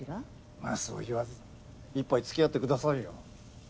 まあそう言わず一杯付き合ってくださいよ。